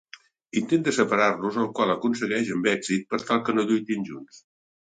Intenta separar-los, el qual aconsegueix amb èxit per tal que no lluitin junts.